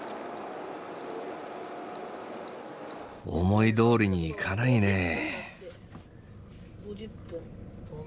思いどおりにいかないねえ。